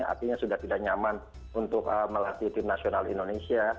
artinya sudah tidak nyaman untuk melatih tim nasional indonesia